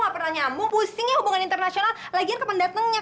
gak pernah nyambung pusingnya hubungan internasional lagian kependatengnya